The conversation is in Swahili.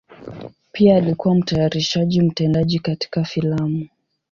Pia alikuwa mtayarishaji mtendaji katika filamu.